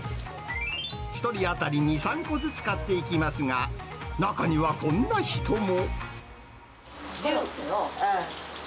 １人当たり２、３個ずつ買っていきますが、中にはこんな人も。